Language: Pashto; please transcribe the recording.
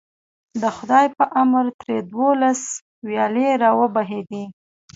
د خدای په امر ترې دولس ویالې راوبهېدې.